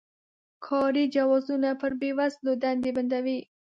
کاري جوازونه پر بې وزلو دندې بندوي.